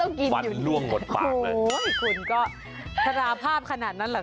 โอ้โฮเขาอีกคุณก็ทราภาพขนาดนั้นหรือ